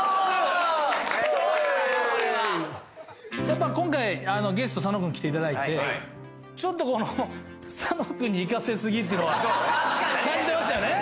やっぱ今回ゲスト佐野君来ていただいてちょっとこのっていうのは感じちゃいましたよね